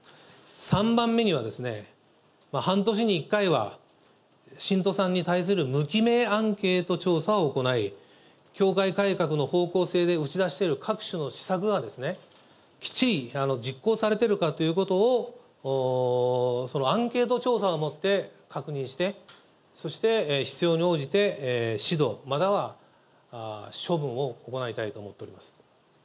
３番目には、半年に１回は、信徒さんに対する無記名アンケート調査を行い、教会改革の方向性で打ち出している各種の施策がきっちり実行されてるかということを、アンケート調査でもって確認して、そして必要に応じて指導または処分を行いたいと思っております。